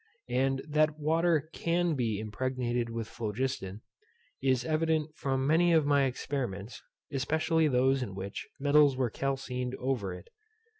And that water can be impregnated with phlogiston, is evident from many of my experiments, especially those in which metals were calcined over it.